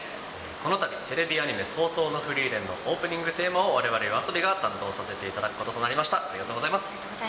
このたびテレビアニメ、葬送のフリーレンのオープニングテーマを、われわれＹＯＡＳＯＢＩが担当させていただくこととなりました。